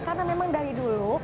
karena memang dari dulu